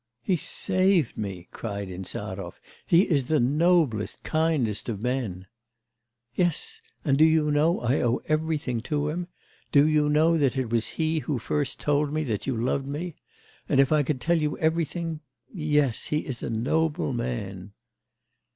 'He saved me!' cried Insarov. 'He is the noblest, kindest of men!' 'Yes... And do you know I owe everything to him? Do you know that it was he who first told me that you loved me? And if I could tell you everything.... Yes, he is a noble man.